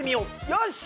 よし！